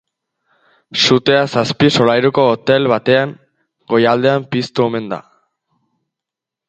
Sutea zazpi solairuko hotel baten goialdean piztu omen da.